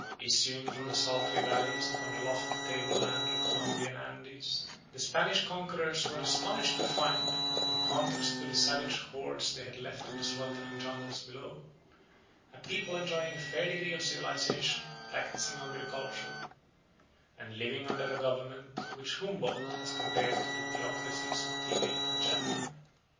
Issuing from the sultry valleys upon the lofty tableland of the Colombian Andes, the Spanish conquerors were astonished to find, in contrast to the savage hordes they had left in the sweltering jungles below, a people enjoying a fair degree of civilisation, practising agriculture, and living under a government which Humboldt has compared to the theocracies of Tibet and Japan.